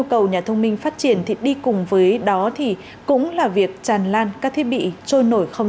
cầu nhà thông minh phát triển thì đi cùng với đó thì cũng là việc tràn lan các thiết bị trôi nổi không